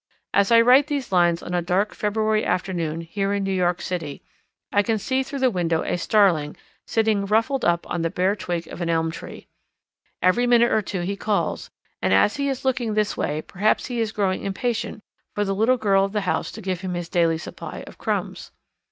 As I write these lines on a dark February afternoon, here in New York City, I can see through the window a Starling sitting ruffled up on the bare twig of an elm tree. Every minute or two he calls, and as he is looking this way perhaps he is growing impatient for the little girl of the house to give him his daily supply of crumbs.